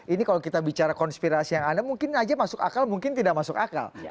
ini kalau kita bicara konspirasi yang ada mungkin aja masuk akal mungkin tidak masuk akal